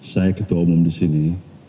saya ketua umum di sini